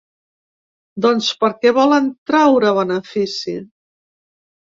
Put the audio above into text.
Doncs perquè volen traure benefici.